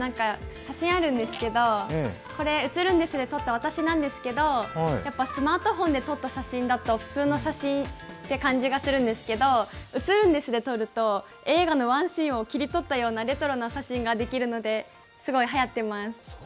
写真あるんですけど、これ写ルンですで撮った私なんですけどスマートフォンで撮った写真だと普通の写真って感じがするんですけど、写ルンですで撮ると映画のワンシーンを切り取ったようなレトロな写真ができるので、すごいはやってます。